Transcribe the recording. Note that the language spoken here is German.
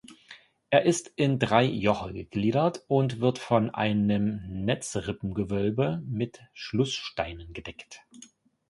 Er ist in drei Joche gegliedert und wird von einem Netzrippengewölbe mit Schlusssteinen gedeckt.